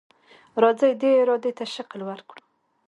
راځئ دې ارادې ته شکل ورکړو.